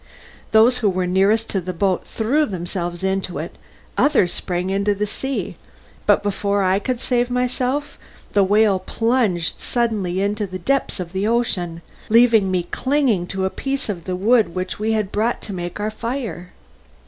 Those who were nearest to the boat threw themselves into it, others sprang into the sea, but before I could save myself the whale plunged suddenly into the depths of the ocean, leaving me clinging to a piece of the wood which we had brought to make our fire.